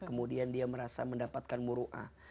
kemudian dia merasa mendapatkan muruah